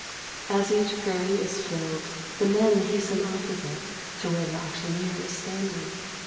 As each gurry is filled the men hasten off with it to where the auctioneer is standing.